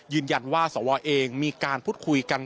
ยืนยันว่าสวเองมีการพูดคุยกัน